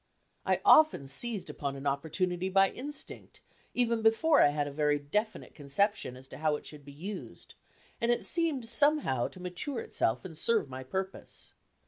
I often seized upon an opportunity by instinct, even before I had a very definite conception as to how it should be used, and it seemed, somehow, to mature itself and serve my purpose.